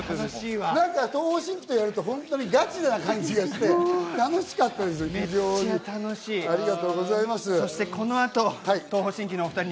東方神起とやるとガチな感じがして、楽しかったですよ、非常に。